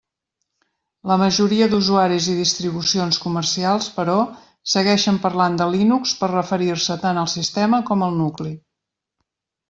La majoria d'usuaris i distribucions comercials, però, segueixen parlant de Linux per referir-se tant al sistema com al nucli.